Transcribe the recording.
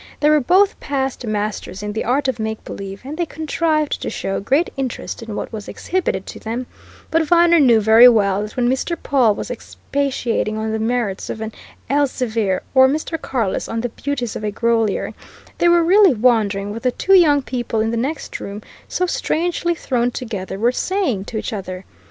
They were both past masters in the art of make believe, and they contrived to show great interest in what was exhibited to them, but Viner knew very well that when Mr. Pawle was expatiating on the merits of an Elzevir or Mr. Carless on the beauties of a Grolier, they were really wondering what the two young people in the next room, so strangely thrown together, were saying to each other.